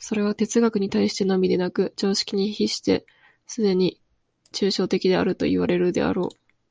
それは哲学に対してのみでなく、常識に比してすでに抽象的であるといわれるであろう。